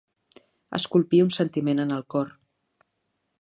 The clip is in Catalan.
Esculpir un sentiment en el cor.